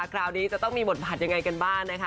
คราวนี้จะต้องมีหมดผัดยังไงกันบ้าง